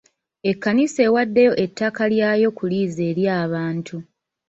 Ekkanisa ewaddeyo ettaka lyayo ku liizi eri abantu.